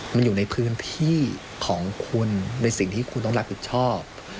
มันอยู่ในพื้นที่ของคุณในสิ่งที่คุณต้องรับผิดชอบ